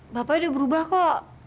bapak sudah berubah kok